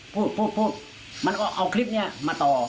พูดมันเอาคลิปนี้มาต่อ